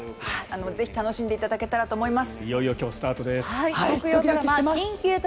ぜひ楽しんでいただけたらと思います。